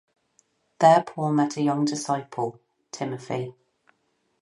There Paul met a young disciple, Timothy.